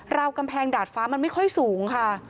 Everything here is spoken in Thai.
ราวกำแพงดาดฟ้ามันไม่ค่อยสูงค่ะ